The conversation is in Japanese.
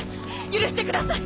許してください！